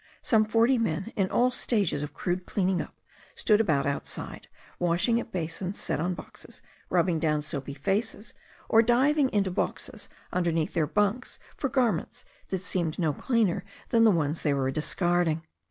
Some forty men, in all stages of crude cleaning up, stood about outside, wash ing at basins set on boxes, rubbing down soapy faces, or diving into boxes underneath their bunks for garments that seemed np cleaner than the ones they were discarding.